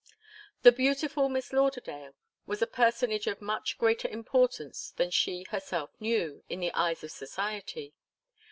'The beautiful Miss Lauderdale' was a personage of much greater importance than she herself knew, in the eyes of society.